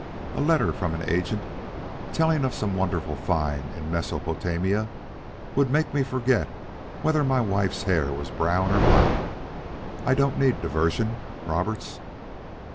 A letter from an agent telling of some wonderful find in Mesopotamia would make me forget whether my wife's hair were brown or black. I don't need diversion, Roberts."